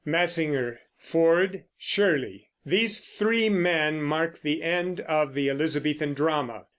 MASSINGER, FORD, SHIRLEY. These three men mark the end of the Elizabethan drama.